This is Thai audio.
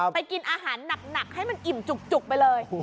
กินอาหารหนักให้มันอิ่มจุกไปเลย